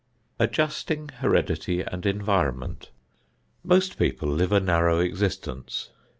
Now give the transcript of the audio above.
V ADJUSTING HEREDITY AND ENVIRONMENT Most people live a narrow existence.